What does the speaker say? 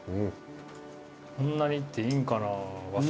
こんなにいっていいんかなぁワサビ。